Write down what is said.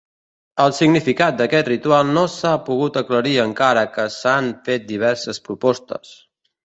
El significat d'aquest ritual no s'ha pogut aclarir encara que s'han fet diverses propostes.